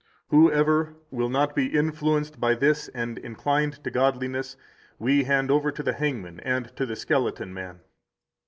149 Whoever will not be influenced by this and inclined to godliness we hand over to the hangman and to the skeleton man.